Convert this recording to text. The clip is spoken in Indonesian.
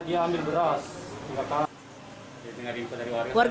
dia ambil beras tiga kalang